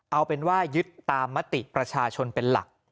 เอาเป็นว่ายึดตามมติประชาชนเป็นหลัก